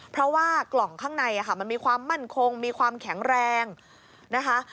เพราะว่ากล่องข้างในมันมีความมั่นคงมีความแข็งแรงนะคะ